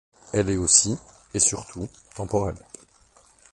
Elle est aussi, et surtout, temporelle.